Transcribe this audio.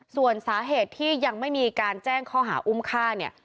ส่วนสาเหตุที่ยังไม่มีการแจ้งข้อหาอุ้มฆ่าเนี่ย